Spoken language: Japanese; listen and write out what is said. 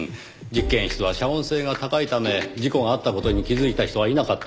実験室は遮音性が高いため事故があった事に気づいた人はいなかったようです。